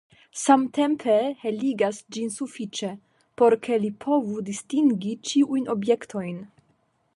Samtempe heligas ĝin sufiĉe, por ke li povu distingi ĉiujn objektojn.